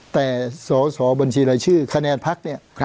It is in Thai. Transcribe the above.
แต่สอสอบัญชีรายชื่อคะแนนพักเนี่ย